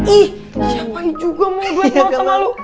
ih siapa juga mau duet maut sama lu